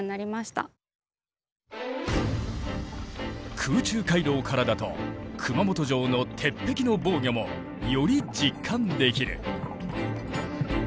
空中回廊からだと熊本城の鉄壁の防御もより実感できる。